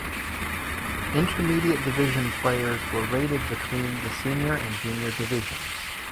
Intermediate division players were rated between the senior and junior divisions.